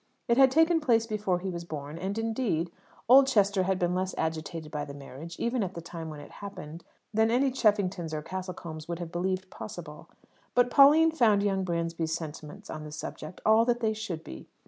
It had taken place before he was born; and, indeed, Oldchester had been less agitated by the marriage, even at the time when it happened, than any Cheffington or Castlecombe would have believed possible. But Pauline found young Bransby's sentiments on the subject all that they should be.